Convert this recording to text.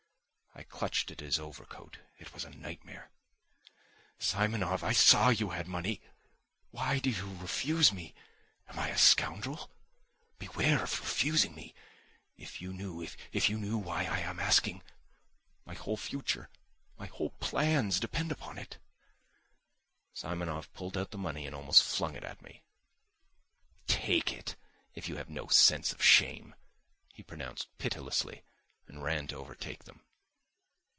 I clutched at his overcoat. It was a nightmare. "Simonov, I saw you had money. Why do you refuse me? Am I a scoundrel? Beware of refusing me: if you knew, if you knew why I am asking! My whole future, my whole plans depend upon it!" Simonov pulled out the money and almost flung it at me. "Take it, if you have no sense of shame!" he pronounced pitilessly, and ran to overtake them.